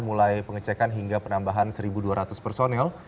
mulai pengecekan hingga penambahan satu dua ratus personel